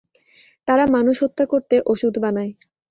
তারা মানুষ হত্যা করতে ওষুধ বানায়।